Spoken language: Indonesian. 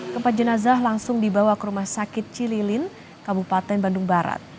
keempat jenazah langsung dibawa ke rumah sakit cililin kabupaten bandung barat